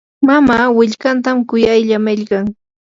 mamaa willkantan kuyaylla millqan.